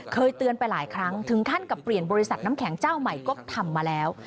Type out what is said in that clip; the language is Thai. เคยเตือนไปหลายครั้งถึงขั้นกับเปลี่ยนบริษัทน้ำแข็งเจ้าใหม่ก็ทำมาแล้ว